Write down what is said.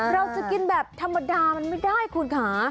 เราจะกินแบบธรรมดามันไม่ได้คุณค่ะ